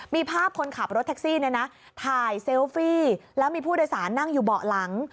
มีภาพคนขับรถแท็กซี่เนี่ยนะถ่ายเซลฟี่แล้วมีผู้โดยสารนั่งอยู่เบาะหลัง